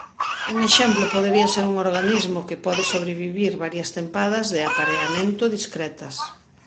Un exemplo podería ser un organismo que pode sobrevivir varias tempadas de apareamento discretas.